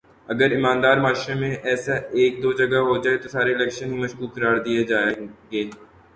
اگر ایماندار معاشرے میں ایسا ایک دو جگہ ہو جائے تو سارے الیکشن ہی مشکوک قرار دے دیئے جائیں گے